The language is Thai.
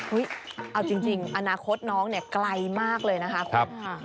อุ้ยเอาจริงอนาคตน้องเนี่ยไกลมากเลยนะครับ